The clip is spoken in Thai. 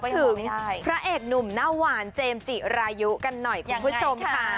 ถึงพระเอกหนุ่มหน้าหวานเจมส์จิรายุกันหน่อยคุณผู้ชมค่ะ